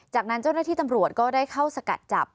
จากนั้นเจ้าหน้าที่ตำรวจก็ได้เข้าสกัดจับ